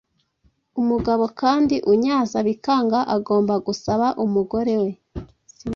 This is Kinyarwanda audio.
Umugabo kandi unyaza bikanga agomba gusaba umugore we